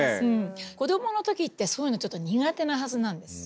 子供の時ってそういうのちょっと苦手なはずなんです。